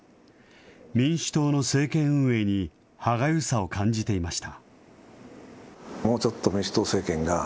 民主党の政権運営に歯がゆさを感じていました。